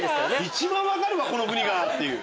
一番分かるわこの国が！っていう。